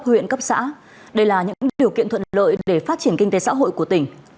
huyện cấp xã đây là những điều kiện thuận lợi để phát triển kinh tế xã hội của tỉnh